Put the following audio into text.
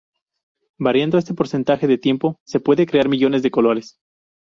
Variando este porcentaje de tiempo, se puede crear millones de colores.